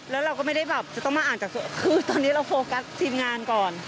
แล้วเราก็ไม่ได้แบบจะต้องมาอ่านจากคือตอนนี้เราโฟกัสทีมงานก่อน